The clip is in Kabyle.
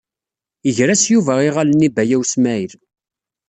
Iger-as Yuba iɣallen i Baya U Smaɛil.